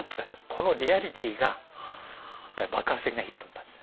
このリアリティーが爆発的なヒットになったんです。